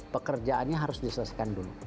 pekerjaannya harus diselesaikan dulu